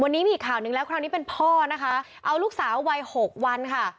วันนี้มีอีกข่าวหนึ่งแล้วคราวนี้เป็นพ่อนะคะเอาลูกสาววัยหกวันค่ะ